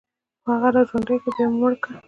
خو هغه راژوندي كړئ، بيا مو مړه کوي